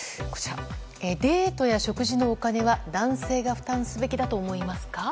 デートや食事のお金は男性が負担すべきだと思いますか。